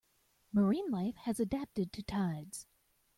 Marine life has adapted to tides.